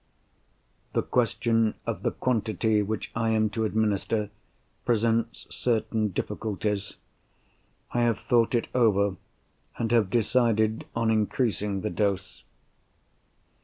The question of the quantity which I am to administer presents certain difficulties. I have thought it over, and have decided on increasing the dose.